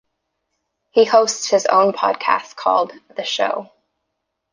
He hosts his own podcast called "The Show".